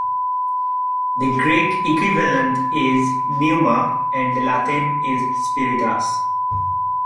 The Greek equivalent is "pneuma" and the Latin is "spiritus".